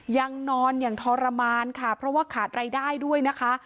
ยังนอนอย่างทรมานค่ะเพราะว่าขาดรายได้ด้วยนะคะ